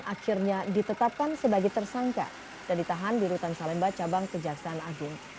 akhirnya ditetapkan sebagai tersangka dan ditahan di rutan salemba cabang kejaksaan agung